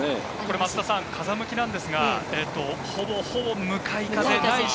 増田さん、風向きですが、ほぼほぼ向かい風です。